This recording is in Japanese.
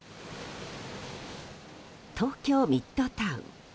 東京ミッドタウン。